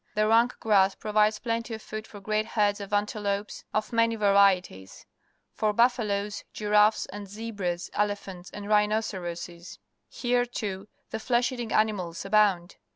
The rank grass pro\ides plenty of food for great herds of antelopes of many varieties, for buffaloes, giraffes, zebras, ele phants, and rhinoceroses. Here, too, the flesh eating animals abound.